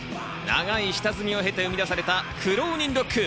長い下積みを経て生み出された苦労人ロック。